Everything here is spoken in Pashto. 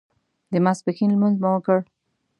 د ماسپښین لمونځ مو وکړ.